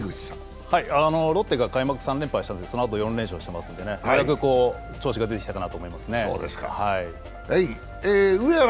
ロッテが開幕３連敗したあと４連勝したのでようやく調子が出てきたかなと思いますね。